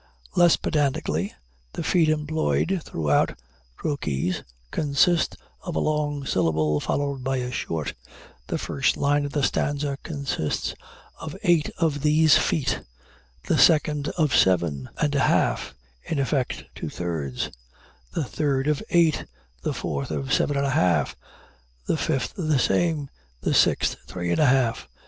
Less pedantically the feet employed throughout (trochees) consist of a long syllable followed by a short: the first line of the stanza consists of eight of these feet the second of seven and a half (in effect two thirds) the third of eight the fourth of seven and a half the fifth the same the sixth three and a half.